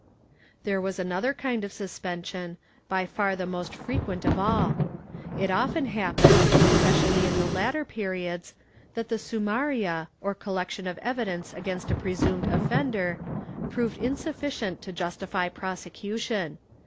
^ There was another kind of suspension, by far the most frequent of all. It often happened, especially in the later periods, that the sumaria, or collection of evidence against a presumed offender, proved insufficient to justify prosecution.